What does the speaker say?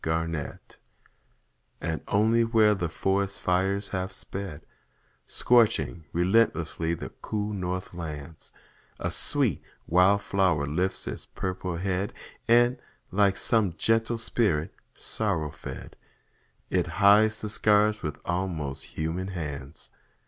FIRE FLOWERS And only where the forest fires have sped, Scorching relentlessly the cool north lands, A sweet wild flower lifts its purple head, And, like some gentle spirit sorrow fed, It hides the scars with almost human hands.